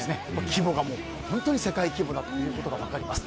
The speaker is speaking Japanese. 規模が本当に世界規模だということが分かります。